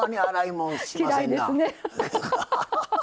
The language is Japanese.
嫌いですね。